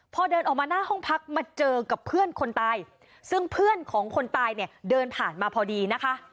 พอเดินออกมาหน้าห้องพักมาเจอกับเพื่อนคนตายซึ่งเพื่อนของคนตายเนี่ยเดินผ่านมาพอดีนะคะ